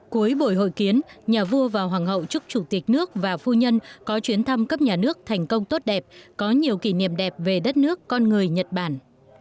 cuối buổi hội kiến nhà vua và hoàng hậu chúc chủ tịch nước và phu nhân có chuyến thăm cấp nhà nước thành công tốt đẹp có nhiều kỷ niệm đẹp về đất nước con người nhật bản